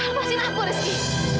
lepaskan aku rizky